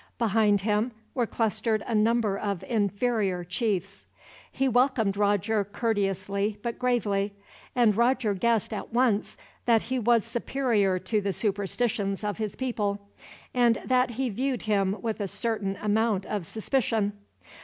Behind him were clustered a number of inferior chiefs. He welcomed Roger courteously but gravely; and Roger guessed, at once, that he was superior to the superstitions of his people, and that he viewed him with a certain amount of suspicion.